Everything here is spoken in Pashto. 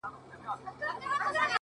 o ژړا. سلگۍ زما د ژوند د تسلسل نښه ده.